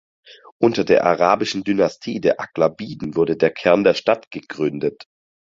Unter der arabischen Dynastie der Aghlabiden wurde der Kern der Stadt gegründet.